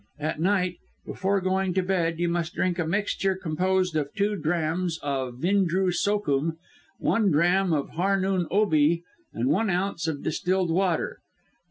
At night, before going to bed, you must drink a mixture composed of two drachms of Vindroo Sookum, one drachm of Harnoon Oobey, and one ounce of distilled water.